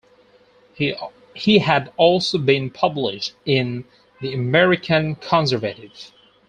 He had also been published in "The American Conservative".